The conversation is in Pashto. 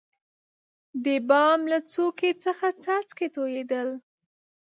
دبام له څوکي څخه څاڅکي تویدل.